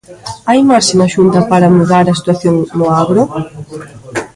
Hai marxe na Xunta para mudar a situación no agro?